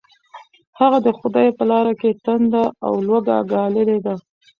هغه د خدای په لاره کې تنده او لوږه ګاللې ده.